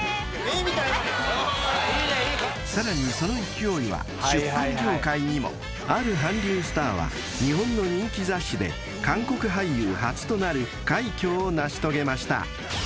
［さらにその勢いは出版業界にも］［ある韓流スターは日本の人気雑誌で韓国俳優初となる快挙を成し遂げました］